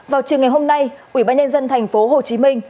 vào chiều ngày hôm nay ủy ban nhân dân thành phố hồ chí minh